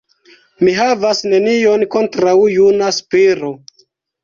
Mi havas nenion kontraŭ juna Spiro!